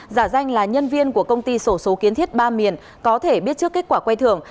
giả danh là nhân viên của công ty sổ số kiến thiết ba miền có thể biết trước kết quả quay thưởng